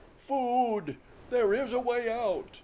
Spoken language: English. Food! There is a way out!"